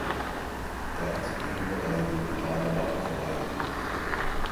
Dert bir olaydı ağlamak kolaydı.